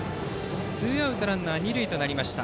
ツーアウトランナー、二塁となりました。